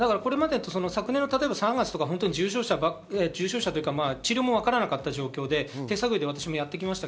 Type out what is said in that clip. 昨年の３月とかは重症者というか治療もわからない状況で、手探りで私もやってきました。